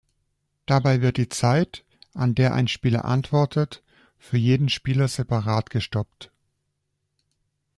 Dabei wird die Zeit, an der ein Spieler antwortet, für jeden Spieler separat gestoppt.